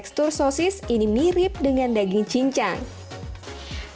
untuk proteinnya bisa menggunakan saus tomat dan sambal dengan bubuk oregano untuk menambah cita rasa